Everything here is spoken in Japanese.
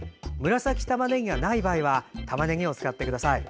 紫たまねぎがない場合はたまねぎを使ってください。